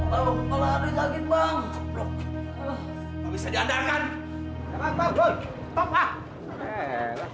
habis aja anda kan